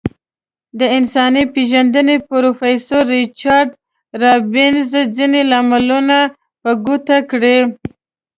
د انسان پیژندنې پروفیسور ریچارد رابینز ځینې لاملونه په ګوته کړي.